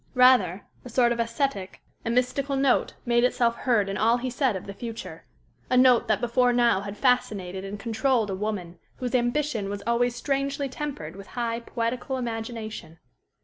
Rather, a sort of ascetic and mystical note made itself heard in all he said of the future, a note that before now had fascinated and controlled a woman whose ambition was always strangely tempered with high, poetical imagination.